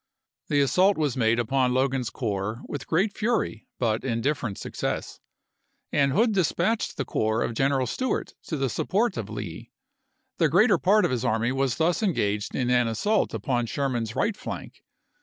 The assault was made upon Logan's corps with great fury but indifferent success, and Hood dis patched the corps of General Stewart to the sup port of Lee. The greater part of his army was thus engaged in an assault upon Sherman's right flank.